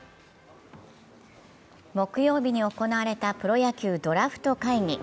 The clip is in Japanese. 木曜日に行われたプロ野球ドラフト会議。